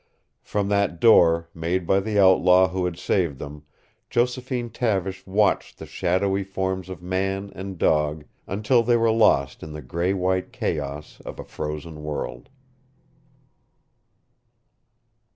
From that door, made by the outlaw who had saved them, Josephine Tavish watched the shadowy forms of man and dog until they were lost in the gray white chaos of a frozen world.